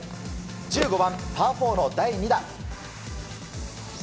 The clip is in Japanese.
１５番、パー４の第２打。